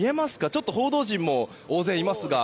ちょっと報道陣も大勢いますけど。